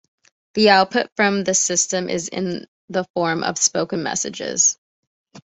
The output from the system is in the form of spoken messages.